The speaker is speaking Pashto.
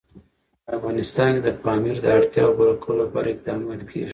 افغانستان کې د پامیر د اړتیاوو پوره کولو لپاره اقدامات کېږي.